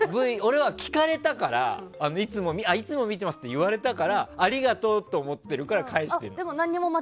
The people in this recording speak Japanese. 俺は聞かれたからいつも見てますって言われたからありがとうと思って返してる。